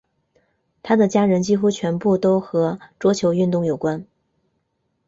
她的家人几乎全部都和桌球运动有关。